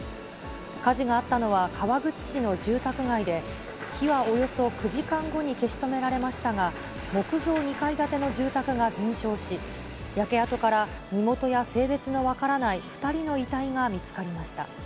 火事があったのは、川口市の住宅街で、火はおよそ９時間後に消し止められましたが、木造２階建ての住宅が全焼し、焼け跡から身元や性別の分からない２人の遺体が見つかりました。